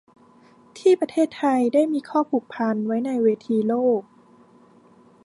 ที่ประเทศไทยได้มีข้อผูกพันไว้ในเวทีโลก